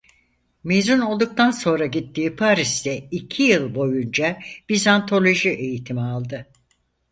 Mezun olduktan sonra gittiği Paris'te iki yıl boyunca Bizantoloji eğitimi aldı.